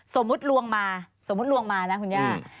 ตกลงมาสมมุติลวงมานะคุณย่า